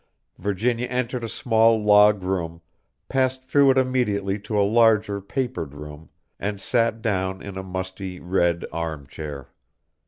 Virginia entered a small log room, passed through it immediately to a larger papered room, and sat down in a musty red arm chair.